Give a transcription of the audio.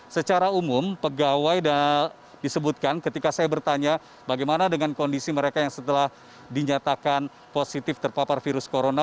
secara umum pegawai disebutkan ketika saya bertanya bagaimana dengan kondisi mereka yang setelah dinyatakan positif terpapar virus corona